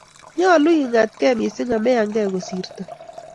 nyoluu ing'atgei mising ameyangei kosirto